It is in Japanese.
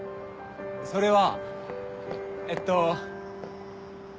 それはえっと。